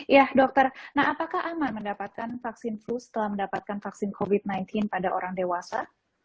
ya dokter nah apakah aman mendapatkan vaksin flu setelah mendapatkan vaksin covid sembilan belas pada orang dewasa